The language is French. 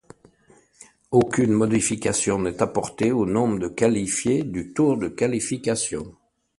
Aucune modification n'est apportée au nombre de qualifiés du tour de qualification.